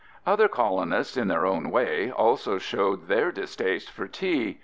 _)] Other colonists, in their own way, also showed their distaste for tea (see fig.